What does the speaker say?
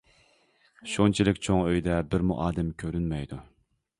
شۇنچىلىك چوڭ ئۆيدە بىرمۇ ئادەم كۆرۈنمەيدۇ.